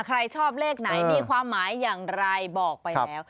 ใครชอบเลขไหนมีความหมายอย่างไรบอกไปแล้ว